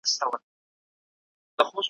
چي شاعر وي چي کتاب وي چي سارنګ وي چي رباب وي ,